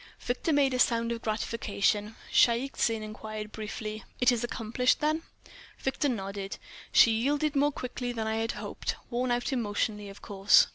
Victor made a sound of gratification. Shaik Tsin enquired briefly: "It is accomplished, then?" Victor nodded. "She yielded more quickly than I had hoped—worn out emotionally, of course."